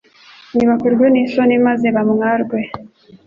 nibakorwe n’isoni maze bamwarwe